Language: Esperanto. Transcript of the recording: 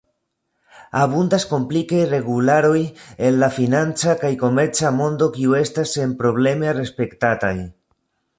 Abundas komplikaj regularoj en la financa kaj komerca mondo kiuj estas senprobleme respektataj.